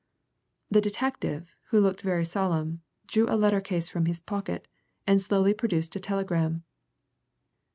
The detective, who looked very solemn, drew a letter case from his pocket, and slowly produced a telegram.